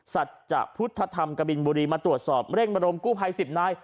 สัจจะพุทธธรรมกบินบุรีมาตรวจสอบเร่งบรมกู้ภัย๑๐นาย